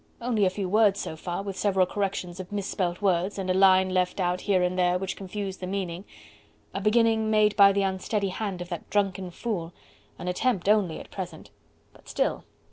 only a few words so far... with several corrections of misspelt words... and a line left out here and there which confused the meaning... a beginning made by the unsteady hand of that drunken fool... an attempt only at present.... But still...